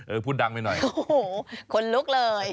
เออพูดดังไปหน่อยโว้ยโคลลุกเลย